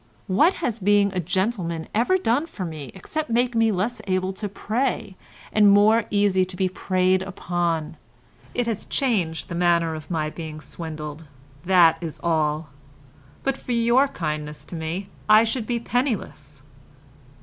"What has being a gentleman ever done for me except make me less able to prey and more easy to be preyed upon? It has changed the manner of my being swindled, that is all. But for your kindness to me I should be penniless.